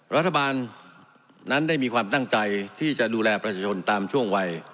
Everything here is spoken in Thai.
รัฐบาลนั้นได้มีความตั้งใจที่จะดูแลประชาชนตามช่วงวัย